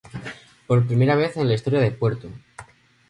Por primera vez en la historia de Pto.